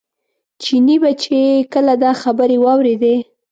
چیني به چې کله دا خبرې واورېدې.